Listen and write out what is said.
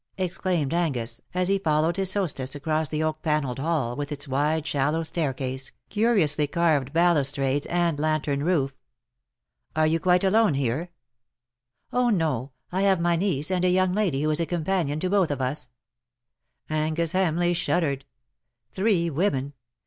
'' exclaimed Angus, as he followed his hostess across the oak panelled hall, with its wide shallow staircase, curiously carved balustrades, and lantern roof. "Are you quite alone here?'' THE LOVELACE OF HIS DAV. 47 '' Oh, no ; I have my niece^ and a young lady ivho is a companion to both of us." Angus Hamleigh shuddered. Three women